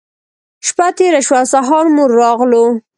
شپّه تېره شوه او سهار مو راغلو.